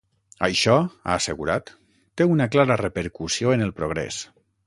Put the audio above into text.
Això, ha assegurat, té una clara repercussió en el progrés.